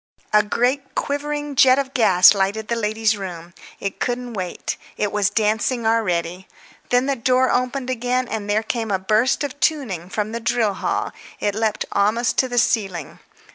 A great quivering jet of gas lighted the ladies' room. It couldn't wait; it was dancing already. When the door opened again and there came a burst of tuning from the drill hall, it leaped almost to the ceiling.